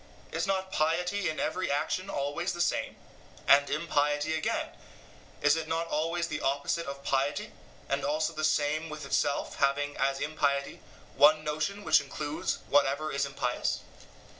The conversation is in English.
Is not piety in every action always the same? and impiety, again is it not always the opposite of piety, and also the same with itself, having, as impiety, one notion which includes whatever is impious?